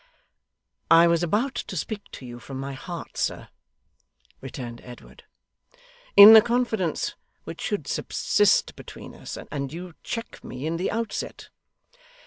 'I was about to speak to you from my heart, sir,' returned Edward, 'in the confidence which should subsist between us; and you check me in the outset.